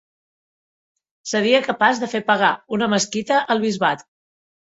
Seria capaç de fer pagar una mesquita al bisbat.